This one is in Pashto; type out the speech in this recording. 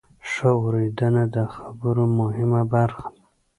ښه اورېدنه د خبرو مهمه برخه ده.